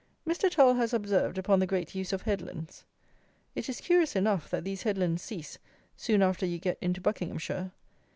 Mr. TULL has observed upon the great use of headlands. It is curious enough, that these headlands cease soon after you get into Buckinghamshire.